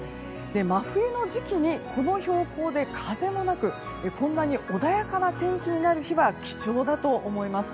真冬の時期にこの標高で風もなくこんなに穏やかな天気になる日は貴重だと思います。